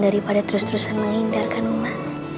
daripada terus terusan menghindarkan rumah